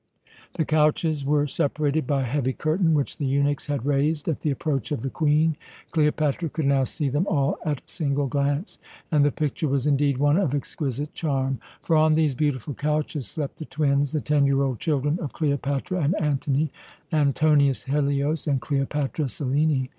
The couches were separated by a heavy curtain which the eunuchs had raised at the approach of the Queen. Cleopatra could now see them all at a single glance, and the picture was indeed one of exquisite charm; for on these beautiful couches slept the twins, the ten year old children of Cleopatra and Antony Antonius Helios and Cleopatra Selene.